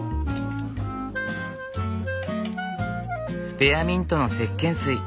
スペアミントのせっけん水。